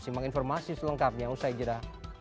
simak informasi selengkapnya usai jeda